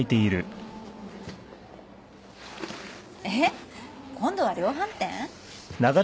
えっ？今度は量販店？